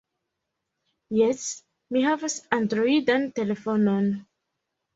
Jes, mi havas Androidan telefonon.